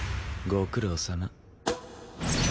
ご苦労さま。